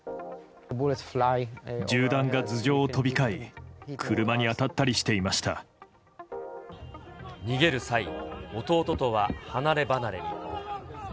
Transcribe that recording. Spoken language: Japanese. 銃弾が頭上を飛び交い、逃げる際、弟とは離れ離れに。